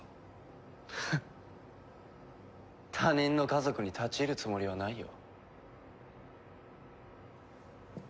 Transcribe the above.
フッ他人の家族に立ち入るつもりはないよ。